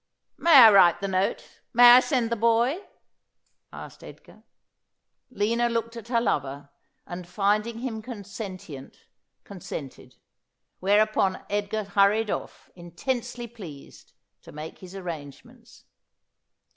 ' May I write the note ? May I send the boy ?' asked Edgar. Lina looked at her lover, and finding him consentient, con sented ; whereupon Edgar hurried off, intensely pleased, to make his arrangements.